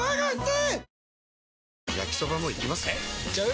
えいっちゃう？